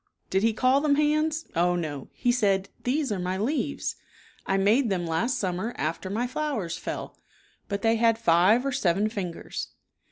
Did he call them hands? Oh, no! He said, " These are my leaves. I made them last summer after my flowers fell." But they had five or seven fingers.